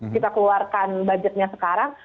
kita keluarkan budgetnya sekarang